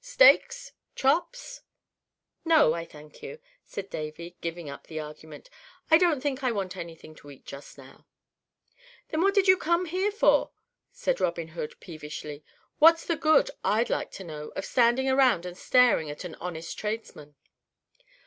Steaks? Chops?" "No, I thank you," said Davy, giving up the argument. "I don't think I want anything to eat just now." "Then what did you come here for?" said Robin Hood, peevishly. "What's the good, I'd like to know, of standing around and staring at an honest tradesman?"